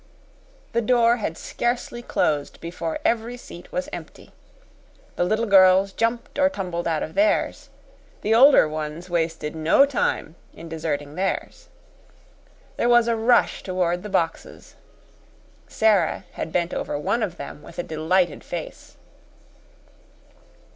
The door had scarcely closed before every seat was empty. The little girls jumped or tumbled out of theirs; the older ones wasted no time in deserting theirs. There was a rush toward the boxes. Sara had bent over one of them with a delighted face.